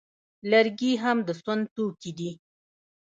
لرګي هم د سون توکي دي